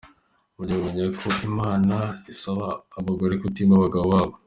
Mujye mumenya ko imana isaba abagore "kutima" abagabo babo.